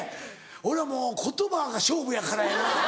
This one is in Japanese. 俺はもう言葉が勝負やからやな。